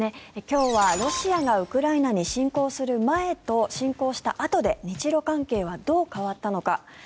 今日は、ロシアがウクライナに侵攻する前と侵攻したあとで日ロ関係はどう変わったのか。